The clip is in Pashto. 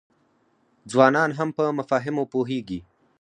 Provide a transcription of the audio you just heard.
ځوانان هم په مفاهیمو پوهیږي.